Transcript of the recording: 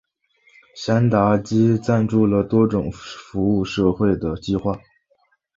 山达基赞助了多种社会服务计画。